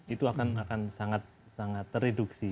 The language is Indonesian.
itu akan sangat terreduksi